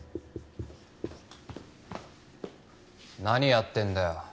何やってんだよ。